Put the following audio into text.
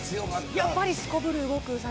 やっぱりすこぶる動くウサギ